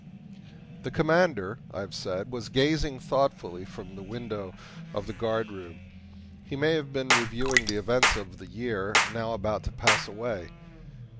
The Commander, I have said, was gazing thoughtfully from the window of the guardroom. He may have been reviewing the events of the year now about to pass away.